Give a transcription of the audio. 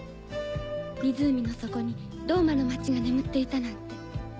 湖の底にローマの町が眠っていたなんて。